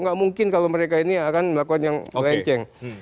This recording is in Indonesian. nggak mungkin kalau mereka ini akan melakukan yang melenceng